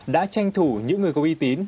đã tranh thủ những người có uy tín